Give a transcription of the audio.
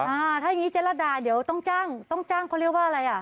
อ่าถ้าอย่างนี้เจรดาเดี๋ยวต้องจ้างต้องจ้างเขาเรียกว่าอะไรอ่ะ